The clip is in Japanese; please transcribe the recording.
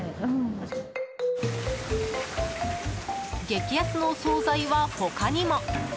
激安のお総菜は他にも。